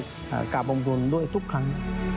อ่ากราบองคุณด้วยทุกครั้ง